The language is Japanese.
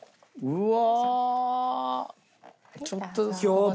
うわ！